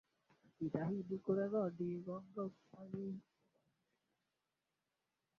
Kanisa letu.